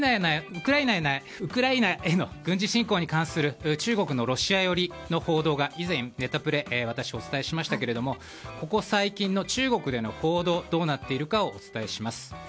ウクライナへの軍事侵攻に関する中国のロシア寄りの報道が以前、ネタプレで私お伝えしましたけれどもここ最近の中国での報道がどうなっているかをお伝えします。